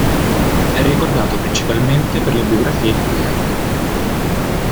È ricordato principalmente per le biografie di cui è autore.